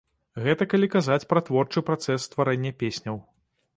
Гэта калі казаць пра творчы працэс стварэння песняў.